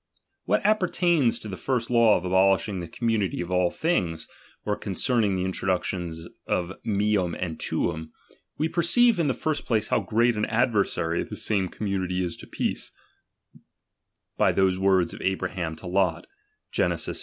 What appertains to the first law of abolishing ''^'" ""^e rf "the community of all things, or concerning the in law of nBOne ■trodaction of mcnm and tunm ; we perceive in the |ji''iHQg, "* :Crst place, how great an advereary this same com '"^"'*' munity is to peace, by those words of Abraham to iot (Gen. xiii.